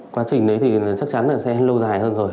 quá trình đấy thì chắc chắn là sẽ lâu dài hơn rồi